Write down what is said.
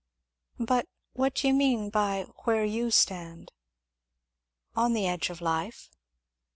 "But what do you mean by 'where you stand'?" "On the edge of life."